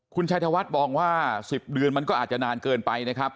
คุณชัยธวัฒน์มองว่า๑๐เดือนมันก็อาจจะนานเกินไปนะครับ